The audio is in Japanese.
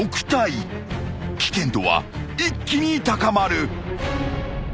［危険度は一気に高まる］